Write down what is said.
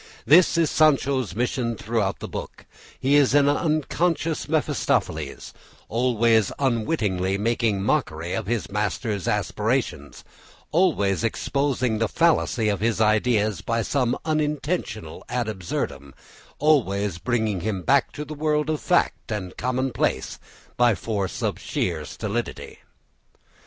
This is Sancho's mission throughout the book; he is an unconscious Mephistopheles, always unwittingly making mockery of his master's aspirations, always exposing the fallacy of his ideas by some unintentional ad absurdum, always bringing him back to the world of fact and commonplace by force of sheer stolidity.